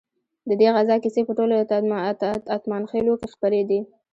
ددې غزا کیسې په ټولو اتمانخيلو کې خپرې دي.